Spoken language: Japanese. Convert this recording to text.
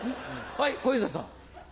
はい小遊三さん。